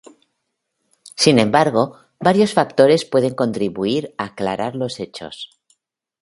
Sin embargo, varios factores pueden contribuir a aclarar los hechos.